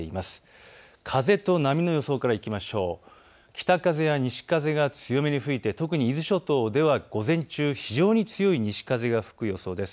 北風や西風が強めに吹いて特に伊豆諸島では午前中、非常に強い西風が吹く予想です。